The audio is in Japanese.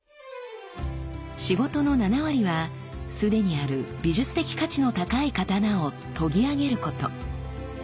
仕事の７割はすでにある美術的価値の高い刀を研ぎあげること。